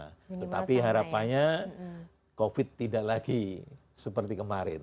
tetapi harapannya covid tidak lagi seperti kemarin